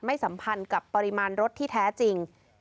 สัมพันธ์กับปริมาณรถที่แท้จริง